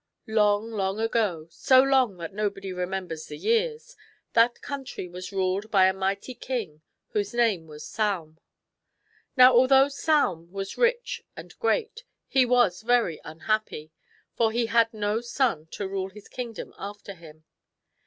Long, long ago — so long that nobody remembers the years — that country was ruled by a mighty king whose name was Saum. Now, although Saum was rich and great, he was very unhappy ; for he had no son to rule his king dom after him.